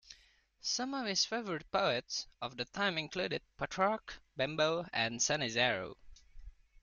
Some of his favorite poets of the time included Petrarch, Bembo, and Sannazaro.